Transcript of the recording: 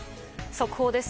速報です。